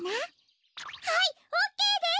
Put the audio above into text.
はいオーケーです！